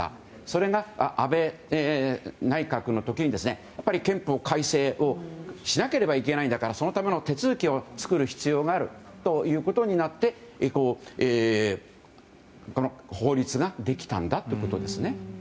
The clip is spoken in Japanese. それが安倍内閣の時に憲法改正をしなければいけないんだからそのための手続きを作る必要があるということになってこの法律ができたんだってことですね。